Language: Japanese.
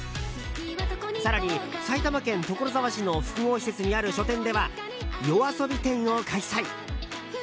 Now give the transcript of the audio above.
更に、埼玉県所沢市の複合施設にある書店ではＹＯＡＳＯＢＩ展を開催。